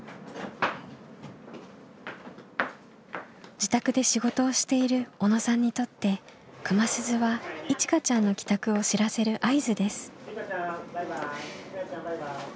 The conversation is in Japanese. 自宅で仕事をしている小野さんにとって熊鈴はいちかちゃんの帰宅を知らせる合図です。